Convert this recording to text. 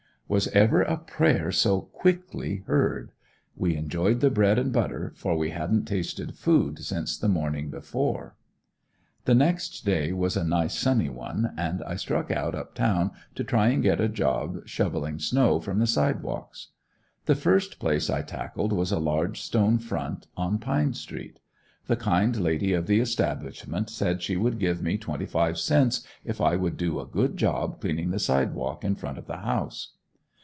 Was ever a prayer so quickly heard? We enjoyed the bread and butter, for we hadn't tasted food since the morning before. The next day was a nice sunny one, and I struck out up town to try and get a job shoveling snow from the sidewalks. The first place I tackled was a large stone front on Pine street. The kind lady of the establishment said she would give me twenty five cents if I would do a good job cleaning the sidewalk in front of the house.